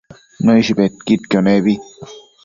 Nëish bedquidquio nebi